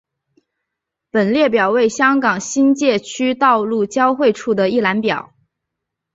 本列表为香港新界区道路交汇处的一览表。